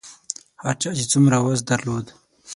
هر چا چې څومره وس درلود.